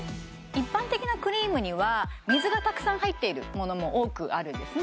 一般的なクリームには水がたくさん入っているものも多くあるんですね